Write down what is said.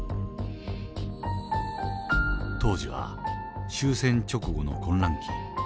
当時は終戦直後の混乱期。